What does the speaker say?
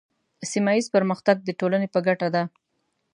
سیمه ایز پرمختګ د ټولنې په ګټه دی.